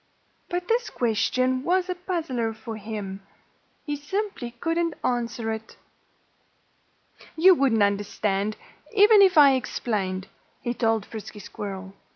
But this question was a puzzler for him. He simply couldn't answer it. "You wouldn't understand, even if I explained," he told Frisky Squirrel.